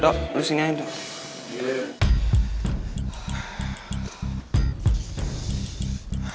dok lu singain dong